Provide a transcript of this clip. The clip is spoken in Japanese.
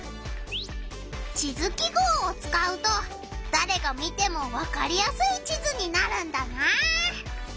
地図記号をつかうとだれが見てもわかりやすい地図になるんだな！